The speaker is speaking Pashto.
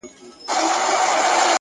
• چي یې وکتل پر کټ باندي څوک نه وو ,